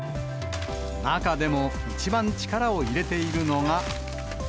中でも、一番力を入れているのが。